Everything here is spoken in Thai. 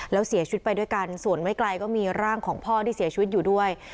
แล้วเสียชีวิตไปด้วยกันส่วนไม่ไกลก็มีร่างของพ่อที่เสียชีวิตอยู่ด้วย